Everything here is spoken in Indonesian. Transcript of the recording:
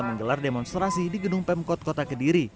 menggelar demonstrasi di gedung pemkot kota kediri